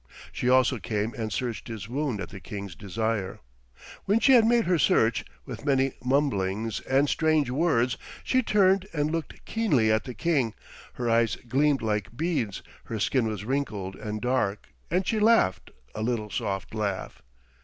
She also came and searched his wound at the king's desire. When she had made her search, with many mumblings and strange words, she turned and looked keenly at the king. Her eyes gleamed like beads, her skin was wrinkled and dark, and she laughed a little soft laugh.